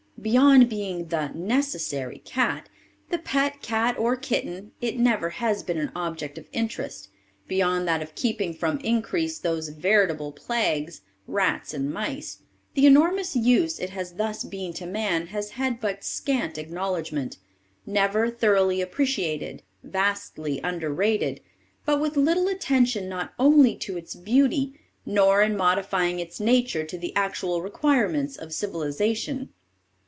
Beyond being the "necessary" cat, the pet cat or kitten, it never has been an object of interest, beyond that of keeping from increase those veritable plagues, rats and mice; the enormous use it has thus been to man has had but scant acknowledgment, never thoroughly appreciated, vastly underrated, with but little attention not only to its beauty, nor in modifying its nature to the actual requirements of civilisation.